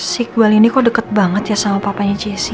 si gwilini kok deket banget ya sama papanya jesse